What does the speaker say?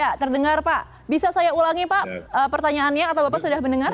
ya terdengar pak bisa saya ulangi pak pertanyaannya atau bapak sudah mendengar